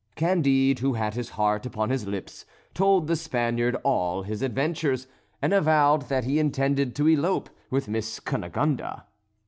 Candide, who had his heart upon his lips, told the Spaniard all his adventures, and avowed that he intended to elope with Miss Cunegonde.